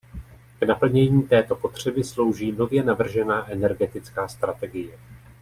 K naplnění této potřeby slouží nově navržená energetická strategie.